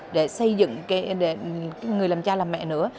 để xây dựng cái người làm cha làm mẹ nữa